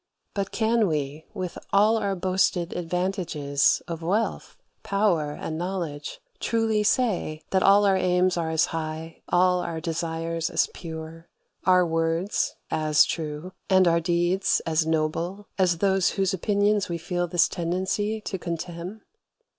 But can we, with all our boasted advantages of wealth, power, and knowledge, truly say that all our aims are as high, all our desires as pure, our words as true, and our deeds as noble, as those whose opinions we feel this tendency to contemn?